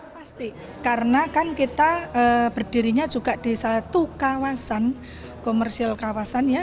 pasti karena kan kita berdirinya juga di satu kawasan komersial kawasan ya